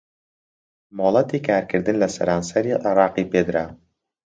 مۆلەتی کارکردن لە سەرانسەری عێراقی پێدرا